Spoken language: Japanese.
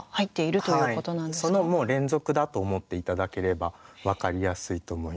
そのもう連続だと思って頂ければ分かりやすいと思います。